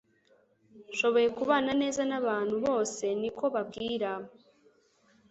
shoboye kubana neza nabantu bose niko babwira